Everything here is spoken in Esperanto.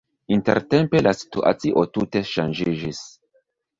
Intertempe la situacio tute ŝanĝiĝis.